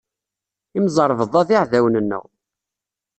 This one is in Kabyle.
Imẓeṛbeṭṭa d iɛdawen nneɣ.